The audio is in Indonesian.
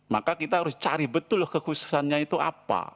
maka kita harus cari betul loh kekhususannya itu apa